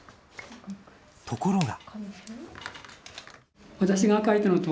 ところが。